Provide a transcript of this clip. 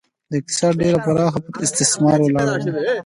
د اقتصاد ډېره برخه پر استثمار ولاړه وه.